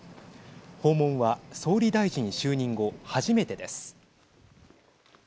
訪問は総理大臣就任後初めてです。